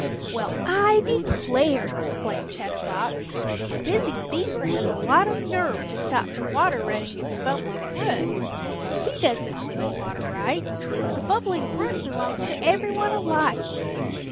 "Well, I declare," exclaimed Chatterbox, "Busy Beaver has a lot of nerve to stop the water running in the Bubbling Brook. He doesn't own the water rights. The Bubbling Brook belongs to everyone alike."